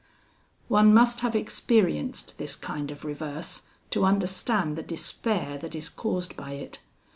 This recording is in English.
"One must have experienced this kind of reverse, to understand the despair that is caused by it.